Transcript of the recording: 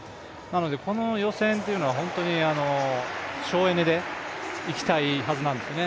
この予選というのは本当に省エネでいきたいはずなんですね。